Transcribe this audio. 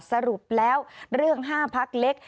สรุปแล้วเรื่อง๕พักเล็ก